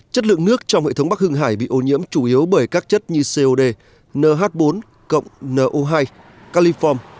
chất lượng nước trong hệ thống bắc hưng hải bị ô nhiễm chủ yếu bởi các chất như cod nh bốn cộng no hai caliform